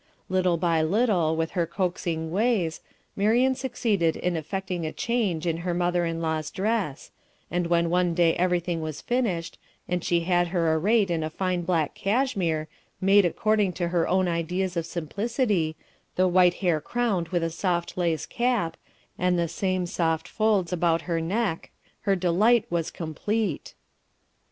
Little by little, with her coaxing ways, Marian succeeded in effecting a change in her mother in law's dress, and when one day everything was finished, and she had her arrayed in a fine black cashmere, made according to her own ideas of simplicity, the white hair crowned with a soft white lace cap, and the same soft folds about hep neck, her delight was complete.